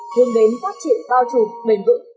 hướng đến phát triển bao trùm bền vững